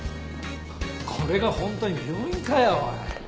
これが本当に病院かよおい。